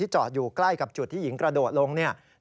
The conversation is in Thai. จอดอยู่ใกล้กับจุดที่หญิงกระโดดลงเนี่ย